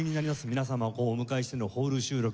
皆様をお迎えしてのホール収録。